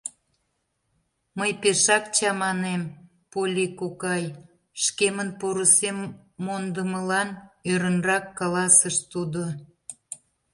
— Мый пешак чаманем, Полли кокай, шкемын порысем мондымылан, — ӧрынрак каласыш тудо.